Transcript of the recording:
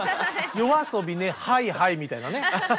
ＹＯＡＳＯＢＩねはいはいみたいなね。